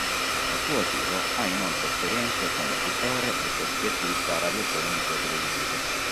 Al suo attivo ha inoltre esperienze come pittore e soggettista radiofonico e televisivo.